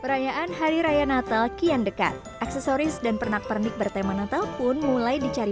perayaan hari raya natal kian dekat aksesoris dan pernak pernik bertema natal pun mulai dicari